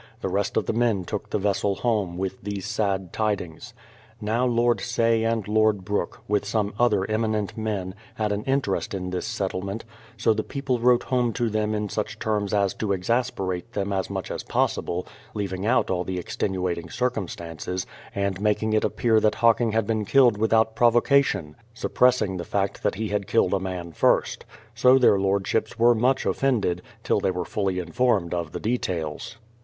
The rest of the men took the vessel home, with these sad tidings. Now Lord Say and Lord Brook, with some other eminent men, had an interest in this settlement, so the people wrote home to them in such terms as to exasperate them as much as possi ble, leaving out all the extenuating circumstances, and making it appear that Hocking had been killed without provocation, suppressing the fact that he had killed a man first. So their Lordships were much ofifended, till they were fully informed of the details.